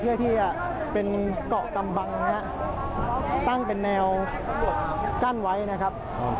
เพื่อที่จะเป็นเกาะกำบังนะครับตั้งเป็นแนวกั้นไว้นะครับ